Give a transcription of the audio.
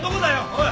おい！